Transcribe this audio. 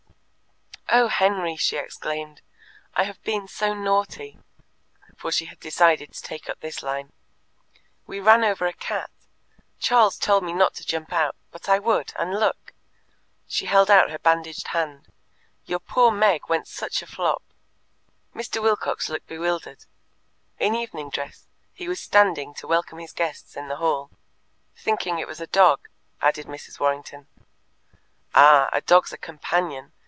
"Oh, Henry," she exclaimed, "I have been so naughty," for she had decided to take up this line. "We ran over a cat. Charles told me not to jump out, but I would, and look!" She held out her bandaged hand. "Your poor Meg went such a flop." Mr. Wilcox looked bewildered. In evening dress, he was standing to welcome his guests in the hall. "Thinking it was a dog," added Mrs. Warrington. "Ah, a dog's a companion!"